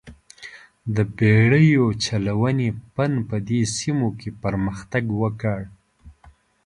د بېړیو چلونې فن په دې سیمو کې پرمختګ وکړ.